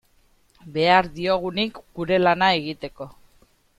Behar diogunik gure lana egiteko.